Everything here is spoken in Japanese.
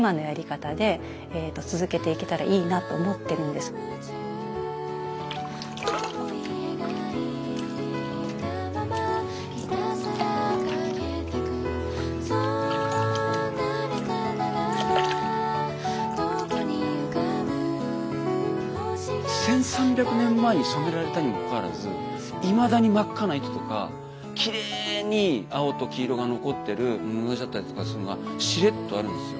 で昔から１，３００年前に染められたにもかかわらずいまだに真っ赤な糸とかきれいに青と黄色が残ってる布地だったりとかそういうのがしれっとあるんですよ。